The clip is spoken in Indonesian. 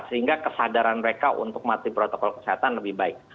sehingga kesadaran mereka untuk mati protokol kesehatan lebih baik